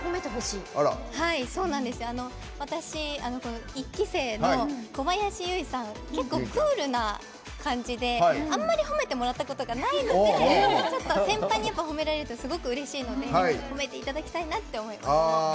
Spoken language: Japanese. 私、１期生の小林由依さん結構クールな感じであんまり褒めてもらったことがないのでちょっと先輩に褒められるとすごくうれしいので褒めていただきたいなって思います。